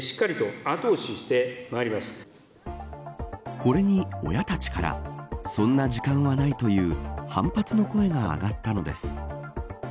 これに、親たちからそんな時間はない、という反発の声が上がったのです。